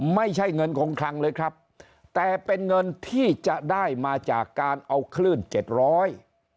ไม่ใช่เงินคงคลังเลยครับแต่เป็นเงินที่จะได้มาจากการเอาคลื่นเจ็ดร้อย